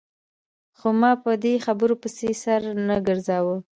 خو ما په دې خبرو پسې سر نه ګرځاوه.